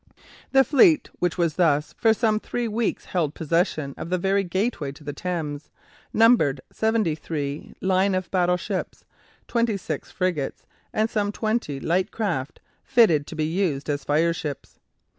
The fleet which thus for some three weeks held possession of the very gateway to the Thames numbered seventy three line of battle ships, twenty six frigates, and some twenty light craft fitted to be used as fireships.